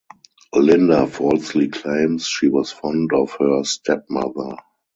Linda falsely claims she was fond of her stepmother.